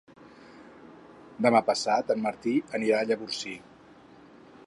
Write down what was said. Demà passat en Martí anirà a Llavorsí.